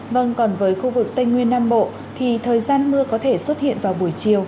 vâng còn với khu vực tây nguyên nam bộ thì thời gian mưa có thể xuất hiện vào buổi chiều